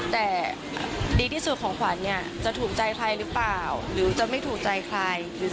แต่ดีที่สุดของขวัญเนี่ยจะถูกใจใครหรือเปล่าหรือจะไม่ถูกใจใคร